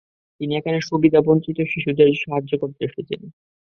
তিনি এখানে সুবিধাবঞ্চিত শিশুদের সাহায্য করতে এসেছেন।